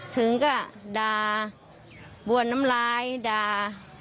ถึงก็ด่าบวนน้ำลายด่า